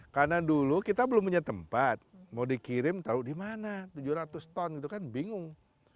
karena dulu kita belum punya tempat mau dikirim taruh di mana tujuh ratus ton itu kan bingung